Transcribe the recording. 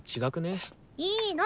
いいの！